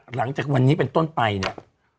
หลังจากวันนี้เป็นต้นไปเนี่ย